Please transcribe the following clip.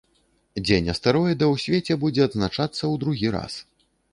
Дзень астэроіда ў свеце будзе адзначацца ў другі раз.